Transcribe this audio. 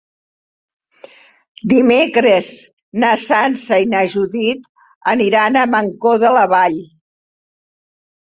Dimecres na Sança i na Judit aniran a Mancor de la Vall.